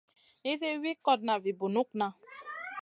Nizi wi kotna vi bunukŋa.